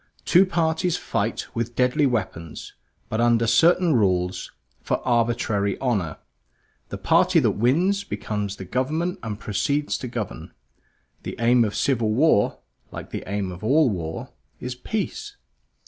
Two parties fight with deadly weapons, but under certain rules of arbitrary honor; the party that wins becomes the government and proceeds to govern. The aim of civil war, like the aim of all war, is peace.